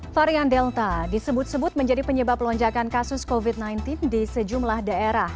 varian delta disebut sebut menjadi penyebab lonjakan kasus covid sembilan belas di sejumlah daerah